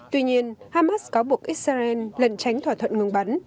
tuy nhiên hamas cáo buộc israel lần tránh thỏa thuận ngừng bắn